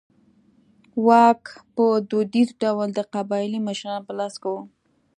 واک په دودیز ډول د قبایلي مشرانو په لاس کې و.